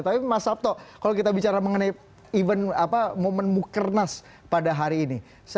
tapi mas sabto kalau kita bicara mengenai event momen mukernas pada hari ini